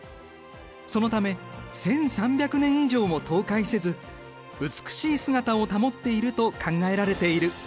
そのため１３００年以上も倒壊せず美しい姿を保っていると考えられている。